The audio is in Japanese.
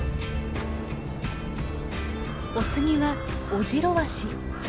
お次はオジロワシ。